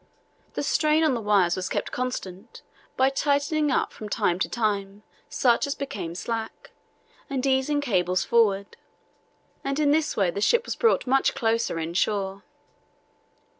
The strain on the wires was kept constant by tightening up from time to time such as became slack, and easing cables forward, and in this way the ship was brought much closer inshore.